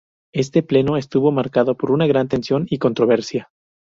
Este pleno estuvo marcado por una gran tensión y controversia.